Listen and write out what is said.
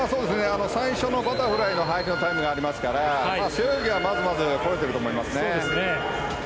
最初のバタフライの入りのタイムがありますから背泳ぎはまずまず来れてると思います。